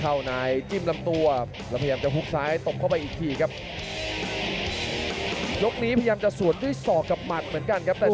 เล็งวันที่มีลาไกลเยอะนะครับตอนนี้กล้องเชียงดาว